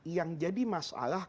yang jadi masalah